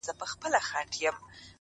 جرس فرهاد زما نژدې ملگرى _